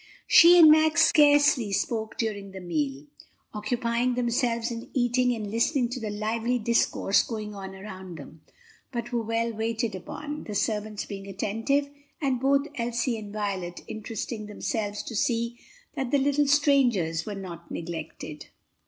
She and Max scarcely spoke during the meal, occupying themselves in eating and listening to the lively discourse going on around them, but were well waited upon, the servants being attentive, and both Elsie and Violet interesting themselves to see that the little strangers were not neglected.